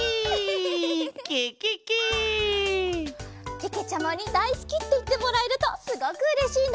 けけちゃまにだいすきっていってもらえるとすごくうれしいな。